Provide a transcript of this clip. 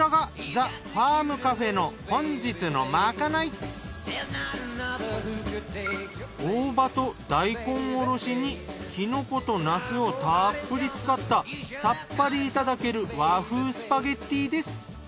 こちらが大葉と大根おろしにきのことなすをたっぷり使ったさっぱりいただける和風スパゲッティです。